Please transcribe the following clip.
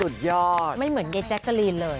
สุดยอดไม่เหมือนเจ๊แจ็กเกอรีนเลย